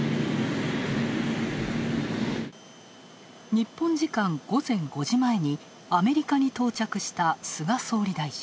日本時間午前５時前にアメリカに到着した菅総理大臣。